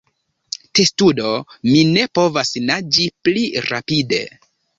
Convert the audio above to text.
Testudo: "Mi ne povas naĝi pli rapide!"